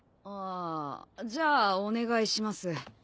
あじゃあお願いします。